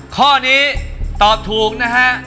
ข้อนี้ตอบถูกนะฮะ